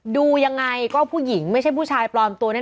ดูยังไงก็ผู้หญิงไม่ใช่ผู้ชายปลอมตัวแน่